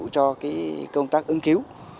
cho công tác ứng cứu